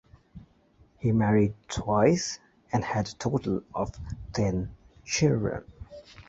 He married twice and had a total of ten children.